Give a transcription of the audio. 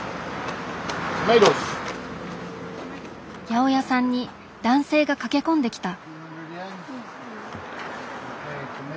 八百屋さんに男性が駆け込んできた。